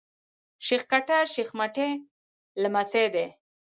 شېخ کټه شېخ متي لمسی دﺉ.